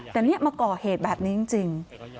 แต่นี่มาก่อเหตุแบบนี้จริง